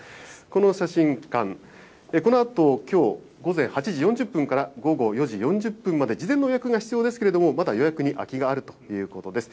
この写真館、このあと、きょう午前８時４０分から午後４時４０分まで、事前の予約が必要ですけれども、まだ予約に空きがあるということです。